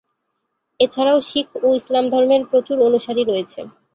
এছাড়া শিখ ও ইসলাম ধর্মের প্রচুর অনুসারী রয়েছে।